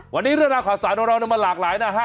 วันนี้เรื่องราวข่าวสารของเรามันหลากหลายนะฮะ